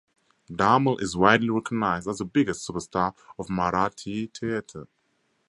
Damle is widely recognized as the biggest superstar of Marathi theatre.